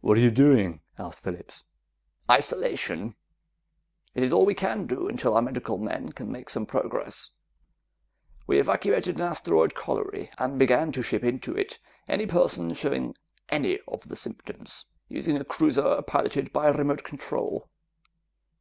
"What are you doing?" asked Phillips. "Isolation. It is all we can do, until our medical men can make some progress. We evacuated an asteroid colony and began to ship into it any person showing any of the symptoms, using a cruiser piloted by remote control.